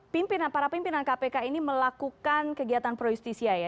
pimpinan para pimpinan kpk ini melakukan kegiatan pro justisia ya